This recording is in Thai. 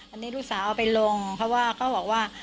อันนี้ลูกสาวเอาไปลงเพราะว่าเขาบอกว่า